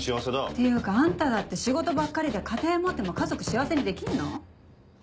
っていうかあんただって仕事ばっかりで家庭持っても家族幸せにできんの？